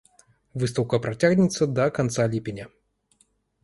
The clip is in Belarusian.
Выстаўка працягнецца да канца ліпеня.